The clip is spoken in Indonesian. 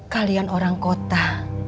kalian orang kota